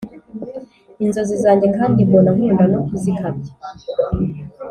inzozi zanjye kandi mbona nkunda no kuzikabya